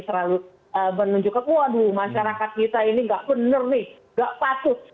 terlalu menunjukkan waduh masyarakat kita ini nggak benar nih nggak patut